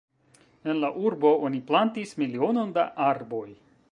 En la urbo oni plantis milionon da arboj.